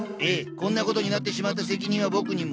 こんなことになってしまった責任は僕にも。